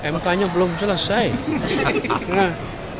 mk nya belum selesai